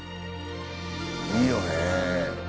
いいよね。